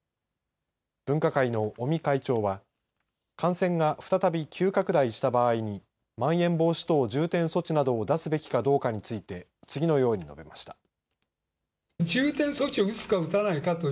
分科会の尾身会長は感染が再び急拡大した場合にまん延防止等重点措置などを出すべきかどうかについて次のように述べました。